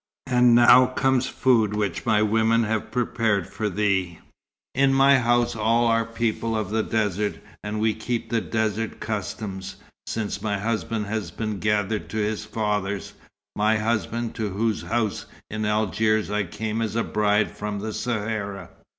And now comes food which my women have prepared for thee. In my house, all are people of the desert, and we keep the desert customs, since my husband has been gathered to his fathers my husband, to whose house in Algiers I came as a bride from the Sahara.